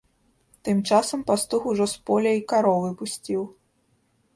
Тым часам пастух ужо з поля й каровы пусціў.